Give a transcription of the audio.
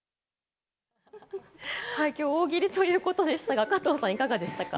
今日、大喜利ということでしたが、加藤さん、いかがでしたか？